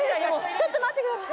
ちょっと待って下さい。